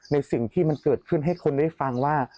ในสิ่งที่มันเกิดขึ้นให้คนได้ฟังว่า